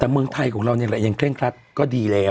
แต่เมืองไทยของเรานี่แหละยังเร่งครัดก็ดีแล้ว